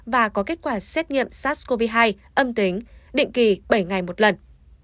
và có kết quả xét nghiệm sars cov hai âm tính định kỳ bảy ngày một lần